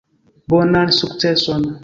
Bonan sukceson!